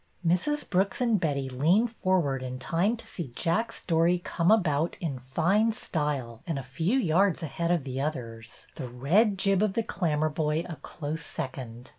Mrs. Brooks and Betty leaned forward in time to see Jack's dory come about in fine style and a few yards ahead of the others, the red jib of the Clammerboy a close second.